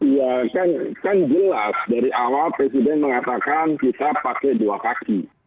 ya kan jelas dari awal presiden mengatakan kita pakai dua kaki